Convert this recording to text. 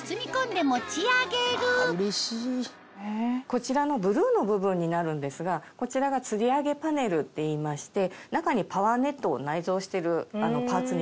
こちらのブルーの部分になるんですがこちらが吊り上げパネルっていいまして中にパワーネットを内蔵してるパーツになります。